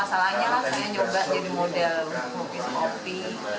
terus masalahnya saya coba jadi model lukis kopi